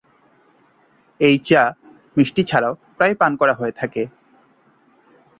এই চা মিষ্টি ছাড়াও প্রায়ই পান করা হয়ে থাকে।